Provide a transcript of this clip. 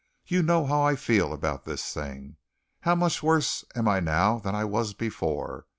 "You know how I feel about this thing. How much worse am I now than I was before?